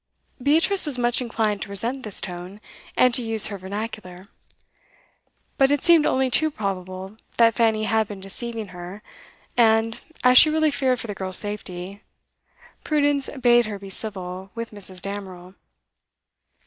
Beatrice was much inclined to resent this tone, and to use her vernacular. But it seemed only too probable that Fanny had been deceiving her, and, as she really feared for the girl's safety, prudence bade her be civil with Mrs. Damerel.